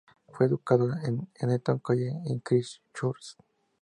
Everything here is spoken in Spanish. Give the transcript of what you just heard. Fue educado en el Eton College y en Christ Church.